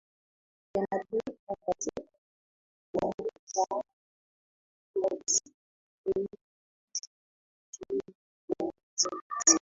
ya mataifa kutaka kuifungia anga ya libya isitumike ili kudhibiti vifo zaidi